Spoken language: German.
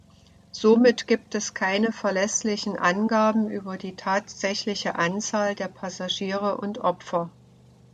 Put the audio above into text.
Somit gibt es keine verlässlichen Angaben über die tatsächliche Anzahl der Passagiere und Opfer.